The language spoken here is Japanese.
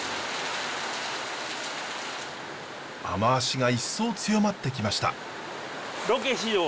雨足が一層強まってきました。